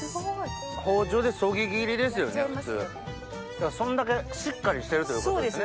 だからそんだけしっかりしてるということですね。